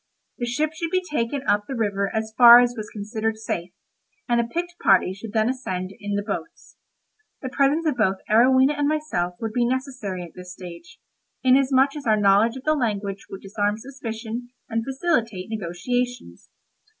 The ship should be taken up the river as far as was considered safe, and a picked party should then ascend in the boats. The presence both of Arowhena and myself would be necessary at this stage, inasmuch as our knowledge of the language would disarm suspicion, and facilitate negotiations.